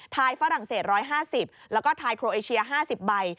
ฝรั่งเศส๑๕๐แล้วก็ทายโครเอเชีย๕๐ใบ